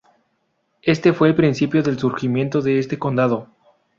Este fue el principio del surgimiento de este condado.